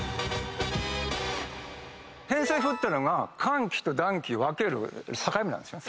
偏西風ってのが寒気と暖気分ける境目なんですよね。